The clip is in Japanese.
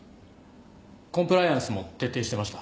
コンプライアンスも徹底してました。